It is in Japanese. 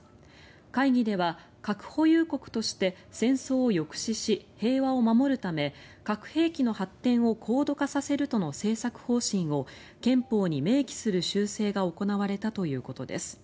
会議では核保有国として戦争を抑止し平和を守るため核兵器の発展を高度化させるとの政策方針を憲法に明記する修正が行われたということです。